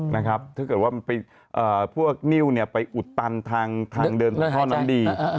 ถ้าเกิดว่าพวกนิ้วไปอุดตันทางเดินของท่อนั้นดี